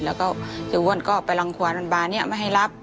แล้วก็เสียอ้วนก็ไปรังความบานนี้ไม่ให้รับ